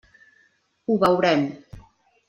Ho veurem.